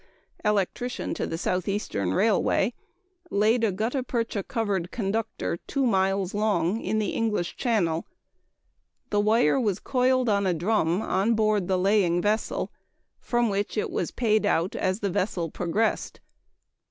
electrician to the Southeastern Railway, laid a gutta percha covered conductor, two miles long, in the English Channel. The wire was coiled on a drum on board the laying vessel, from which it was paid out as the vessel progressed.